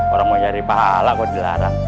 orang mau nyari pahala kok dilarang